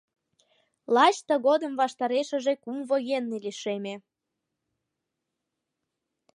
Лач тыгодым ваштарешыже кум военный лишеме...